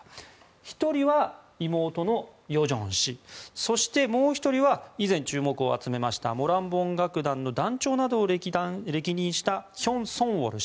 １人は妹の与正氏そして、もう１人は以前注目を集めましたモランボン楽団の団長などを歴任したヒョン・ソンウォル氏。